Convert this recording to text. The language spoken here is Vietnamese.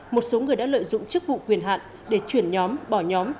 một số người đã lợi dụng chức vụ quyền hạn để chuyển nhóm bỏ nhóm